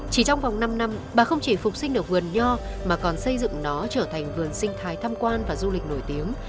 chỉ trong vòng năm năm bà không chỉ phục sinh được vườn nho mà còn xây dựng nó trở thành vườn sinh thái tham quan và du lịch nổi tiếng